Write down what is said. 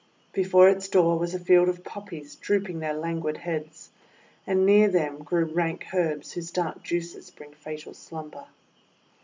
Before its door was a field of Poppies drooping their languid heads, and near them grew rank herbs whose dark juices bring fatal slumber.